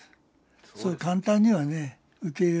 そう簡単にはね受け入れられない。